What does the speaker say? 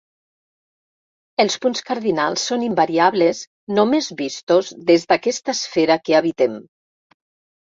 Els punts cardinals són invariables només vistos des d'aquesta esfera que habitem.